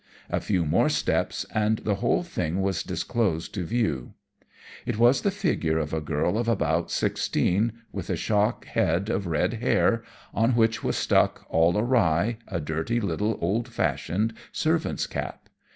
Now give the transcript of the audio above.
A few more steps, and the whole thing was disclosed to view. It was the figure of a girl of about sixteen, with a shock head of red hair, on which was stuck, all awry, a dirty little, old fashioned servant's cap.